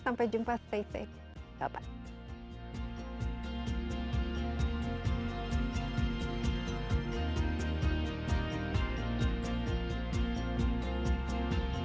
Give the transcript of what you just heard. sampai jumpa stay safe